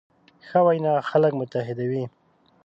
ښه وینا خلک متحدوي.